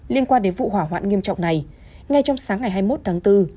liên quan đến vụ hỏa hoạn nghiêm trọng này ngay trong sáng ngày hai mươi một đáng tư